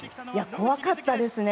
怖かったですね。